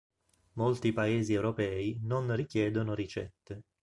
Molti paesi europei non richiedono ricette.